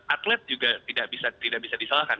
atlet juga tidak bisa disalahkan